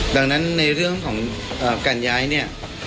ดังนั้นในเรื่องของการย้ายเนี่ย